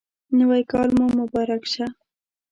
نوی کال مو مبارک شه